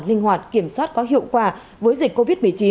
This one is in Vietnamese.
linh hoạt kiểm soát có hiệu quả với dịch covid một mươi chín